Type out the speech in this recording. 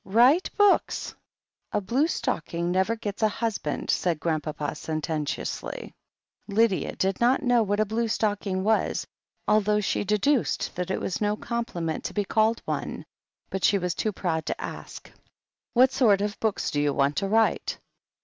"Write books." "A blue stocking never gets a husband," said Grand papa sententiously. Lydia did not know what a blue stocking was, al though she deduced that it was no compliment to be called one, but she was too proud to ask. "What sort of books do you want to write?"